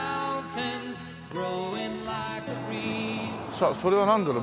さあそれはなんだろう？